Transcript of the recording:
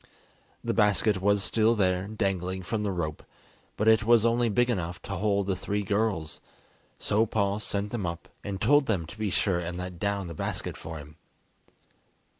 The basket was still there, dangling from the rope, but it was only big enough to hold the three girls, so Paul sent them up, and told them to be sure and let down the basket for him.